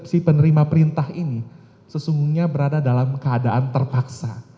si penerima perintah ini sesungguhnya berada dalam keadaan terpaksa